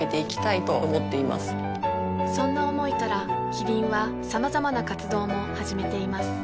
そんな思いからキリンはさまざまな活動も始めています